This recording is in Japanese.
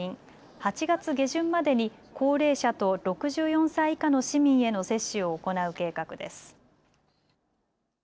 ８月下旬までに高齢者と６４歳以下の市民への接種を行う計画です。